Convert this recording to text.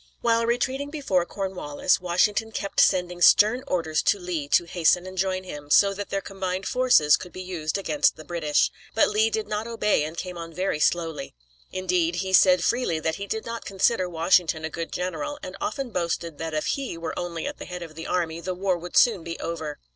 While retreating before Cornwallis, Washington kept sending stern orders to Lee to hasten and join him, so that their combined forces could be used against the British. But Lee did not obey, and came on very slowly. Indeed, he said freely that he did not consider Washington a good general, and often boasted that if he were only at the head of the army the war would soon be over.